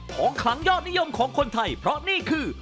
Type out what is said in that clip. ของขลังยอดนิยมของคนไทยเพราะนี่คือ